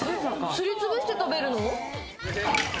すりつぶして食べるの？